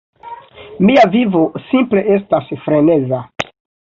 Mia vivo simple estas freneza